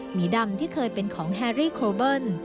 หีดำที่เคยเป็นของแฮรี่โครเบิ้ล